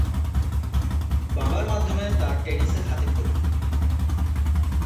বাবার মাধ্যমে তার টেনিসে হাতেখড়ি।